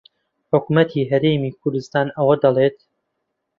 حکوومەتی هەرێمی کوردستان ئەوە دەڵێت